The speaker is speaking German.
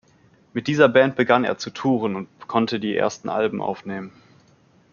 Mit dieser Band begann er zu touren und konnte die ersten Alben aufnehmen.